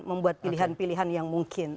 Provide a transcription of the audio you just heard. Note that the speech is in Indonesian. membuat pilihan pilihan yang mungkin